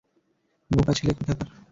বোকা ছেলে কোথাকার।